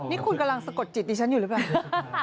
นี่คุณกำลังสะกดจิตดิฉันอยู่หรือเปล่า